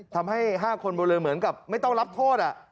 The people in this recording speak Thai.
ทำให้ห้าคนบริเวณเหมือนกับไม่ต้องรับโทษ